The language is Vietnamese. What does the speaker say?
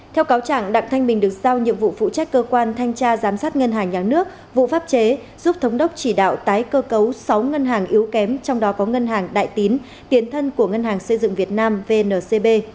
theo cáo trạng đặng thanh bình được giao nhiệm vụ phụ trách cơ quan thanh tra giám sát ngân hàng nhà nước vụ pháp chế giúp thống đốc chỉ đạo tái cơ cấu sáu ngân hàng yếu kém trong đó có ngân hàng đại tín tiến thân của ngân hàng xây dựng việt nam vncb